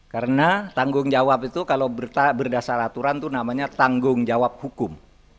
karena tanggung jawab itu kalau berdasar aturan itu namanya tanggung jawab hukum